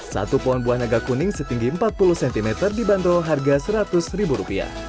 satu pohon buah naga kuning setinggi empat puluh cm dibanderol harga rp seratus